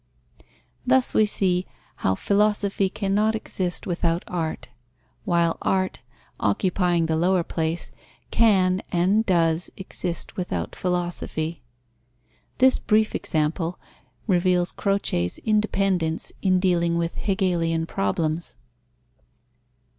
Thus we see how philosophy cannot exist without art, while art, occupying the lower place, can and does exist without philosophy. This brief example reveals Croce's independence in dealing with Hegelian problems.